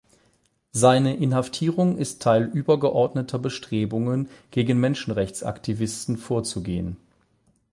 Seine Inhaftierung ist Teil übergeordneter Bestrebungen, gegen Menschenrechtsaktivisten vorzugehen.